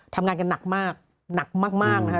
ทำงานกันหนักมากหนักมากนะคะ